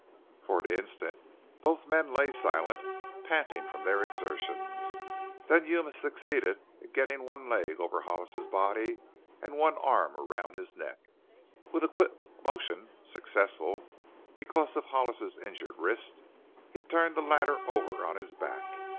For an instant both men lay silent, panting from their exertions. Then Yuma succeeded in getting one leg over Hollis's body and one arm around his neck. With a quick motion successful because of Hollis's injured wrist he turned the latter over on his back.